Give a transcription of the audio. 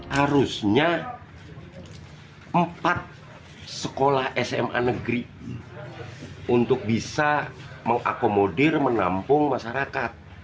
harusnya empat sekolah sma negeri untuk bisa mengakomodir menampung masyarakat